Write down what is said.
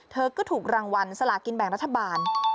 เธอก็ถูกรางวัลสลากินแบ่งรัฐบาล